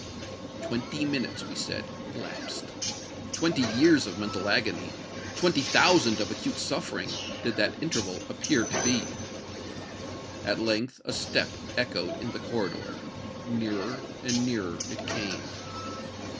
Twenty minutes, we said, elapsed:—twenty years of mental agony—twenty thousand of acute suffering, did that interval appear to be. At length a step echoed in the corridor;—nearer and nearer it came.